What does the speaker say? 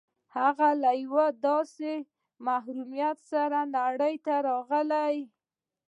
هغه له يوه داسې محروميت سره نړۍ ته راغی.